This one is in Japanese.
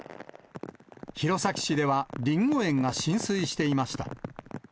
弘前市ではりんご園が浸水していました。